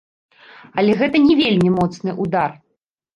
Але гэта не вельмі моцны ўдар.